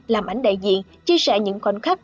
làm ảnh đại diện chia sẻ những khoảnh khắc